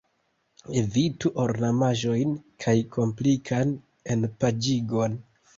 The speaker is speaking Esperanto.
Evitu ornamaĵojn kaj komplikan enpaĝigon.